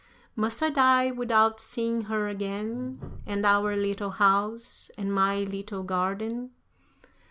Must I die without seeing her again, and our little house, and my little garden!